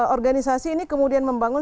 organisasi ini kemudian membangun